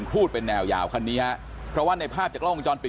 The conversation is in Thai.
ครูดเป็นแนวยาวคันนี้ฮะเพราะว่าในภาพจากกล้องวงจรปิด